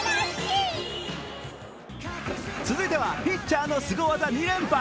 続いては、ピッチャーのすご技２連発。